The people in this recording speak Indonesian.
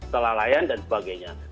kelalaian dan sebagainya